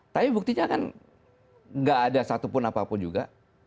tapi buktinya kan nggak ada satupun apapun juga